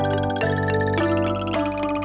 jangan ber gundu itu